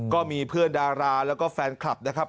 ก็มีเพื่อนดาราแล้วก็แฟนคลับนะครับ